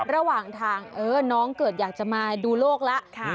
ระหว่างทางน้องเกิดอยากจะมาดูโลกแล้ว